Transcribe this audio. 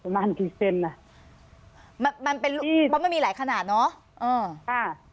ประมาณกี่เซนล่ะมันมันเป็นมันมีหลายขนาดเนอะอืม